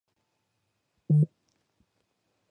მასში შეტანილი მუსიკის კომპოზიტორი არის ჯონ ბარი.